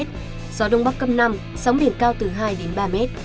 gió đông bắc cấp năm sóng biển cao từ hai ba m